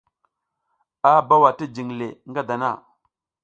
A bawa ti jiƞ le ngadana.